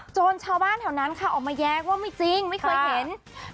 ชาวบ้านแถวนั้นค่ะออกมาแย้งว่าไม่จริงไม่เคยเห็น